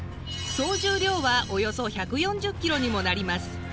総重量はおよそ１４０キロにもなります。